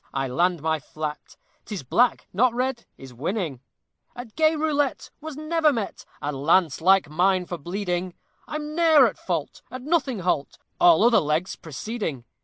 I land my flat! 'Tis black not red is winning. At gay roulette was never met A lance like mine for bleeding! I'm ne'er at fault, at nothing halt, All other legs preceding.